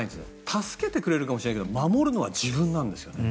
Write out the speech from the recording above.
助けてくれるかもしれないけど守るのは自分なんですよね。